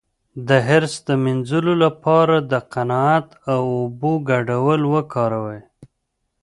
د حرص د مینځلو لپاره د قناعت او اوبو ګډول وکاروئ